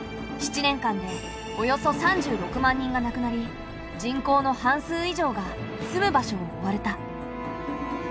７年間でおよそ３６万人がなくなり人口の半数以上が住む場所を追われた。